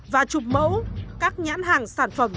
và chụp mẫu các nhãn hàng sản phẩm